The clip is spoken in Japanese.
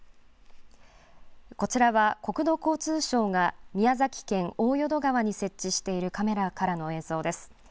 こちらは国土交通省が宮崎県大淀川に設置しているカメラからの映像です。